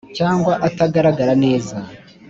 cyangwa atagaragara neza